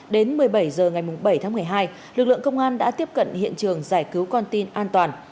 đến một mươi bảy h ngày bảy tháng một mươi hai lực lượng công an đã tiếp cận hiện trường giải cứu con tin an toàn